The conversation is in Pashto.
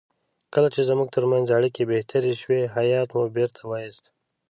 کله چې زموږ ترمنځ اړیکې بهتر شوې هیات مو بیرته وایست.